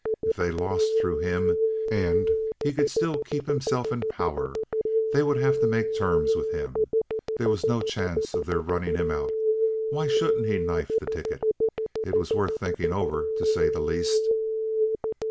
If they lost through him, and he could still keep himself in power, they would have to make terms with him. There was no chance of their running him out. Why shouldn't he knife the ticket? It was worth thinking over, to say the least.